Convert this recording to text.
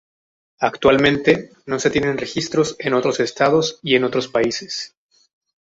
Actualmente no se tienen registros en otros estados y en otros países.